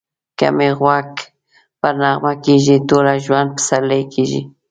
که می غوږ پر نغمه کښېږدې ټوله ژوند پسرلی کېږی